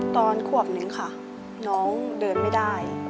ตอนขวบนึงค่ะน้องเดินไม่ได้